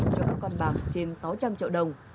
cho các con bạc trên sáu trăm linh triệu đồng